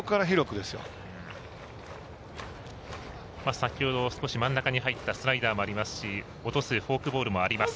先ほど少し真ん中に入ったスライダーもありますし落とすフォークボールもあります。